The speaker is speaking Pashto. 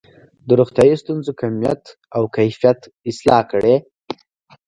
د روغتیايي ستونزو کمیت او کیفیت اصلاح کړي.